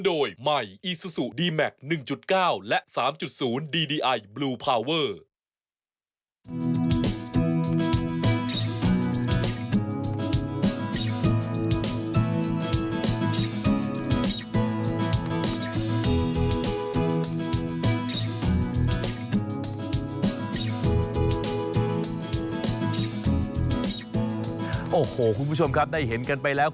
โอ้โหคุณผู้ชมครับได้เห็นกันไปแล้ว